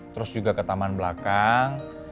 terus juga ke taman belakang